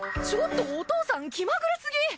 ちょっとお父さん気まぐれすぎ。